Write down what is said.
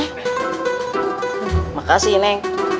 terima kasih neng